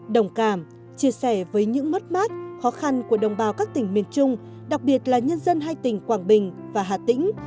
đồng cảm chia sẻ với những mất mát khó khăn của đồng bào các tỉnh miền trung đặc biệt là nhân dân hai tỉnh quảng bình và hà tĩnh